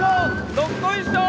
どっこいしょー